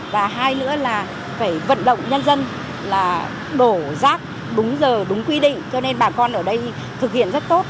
và hai nữa là phải vận động nhân dân là đổ rác đúng giờ đúng quy định cho nên bà con ở đây thực hiện rất tốt